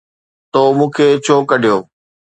”تو مون کي ڇو ڪڍيو؟